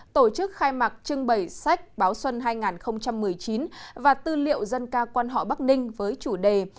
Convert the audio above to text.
tổ chức khai mạc trưng bày sách báo xuân hai nghìn một mươi chín và tư liệu dân ca quan họ bắc ninh với chủ đề